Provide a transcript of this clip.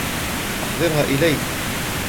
أحضرها إلي.